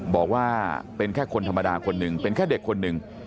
บอกว่าเป็นแค่คนธรรมดาคนหนึ่งเป็นแค่เด็กคนหนึ่ง